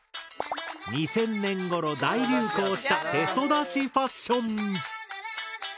２０００年ごろ大流行したヘソだしファッション！